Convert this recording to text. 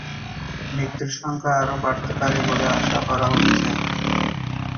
মৃত্যুর সংখ্যা আরো বাড়তে পারে বলে আশা করা হচ্ছে।